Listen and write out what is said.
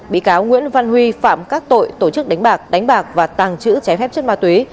bị cáo nguyễn văn huy phạm các tội tổ chức đánh bạc đánh bạc và tàng trữ trái phép chất ma túy